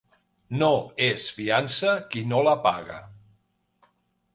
No és fiança qui no la paga.